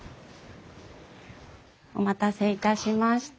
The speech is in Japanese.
お待たせいたしました。